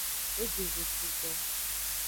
E je zo sugbo.